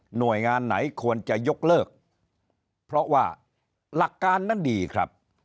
หน่วยงานไหนควรจะยกเลิกเพราะว่าหลักการนั้นดีครับ